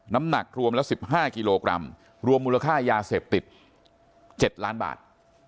น้ำหนักรวมละ๑๕กิโลกรัมรวมมูลค่ายาเสพติด๗ล้านบาท